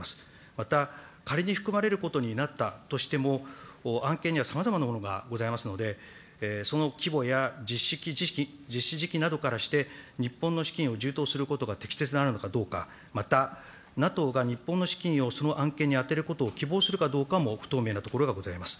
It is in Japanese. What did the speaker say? また、仮に含まれることになったとしても、案件にはさまざまなものがございますので、その規模や実施時期などからして、日本の資金を充当することが適切なのかどうか、また、ＮＡＴＯが日本の資金をその案件に充てることを希望するかどうかも不透明なところがございます。